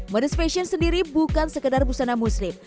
modus fashion sendiri bukan sekedar busana muslim